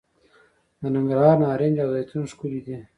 د ننګرهار نارنج او زیتون ښکلي دي.